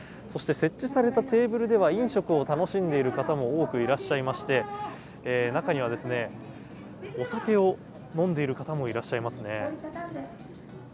そして設置されたテーブルでは、飲食を楽しんでいる方も多くいらっしゃいまして、中には、お酒を飲んでいる方もいらっしゃいますね。